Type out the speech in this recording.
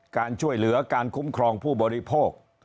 การช่วยเหลือการคุ้มครองผู้บริโภค